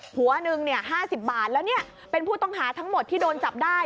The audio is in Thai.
หัวหนึ่ง๕๐บาทแล้วเป็นผู้ต้องหาทั้งหมดที่โดนจับได้